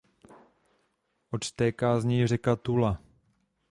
Odtéká z něj řeka Tula.